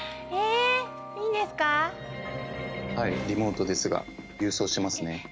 リモートですが郵送しますね。